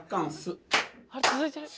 あっ続いてる。